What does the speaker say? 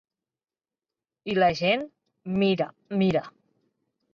I la gent: mira, mira.